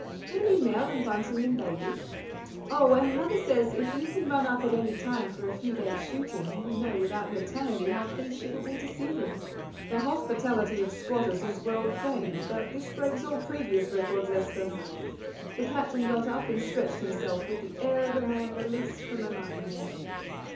"Only Nell and Bunty and Baby. Oh, and Mother says if you can run up at any time for a few days shooting you know without her telling you how pleased she will be to see you." "The hospitality of squatters is world famed, but this breaks all previous records, Esther." The Captain got up and stretched himself with the air of a man released from a nightmare.